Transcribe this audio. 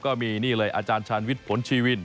ก็มีนี่เลยอาจารย์ชาญวิทย์ผลชีวิน